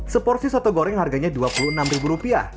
seporsi soto goreng harganya rp dua puluh enam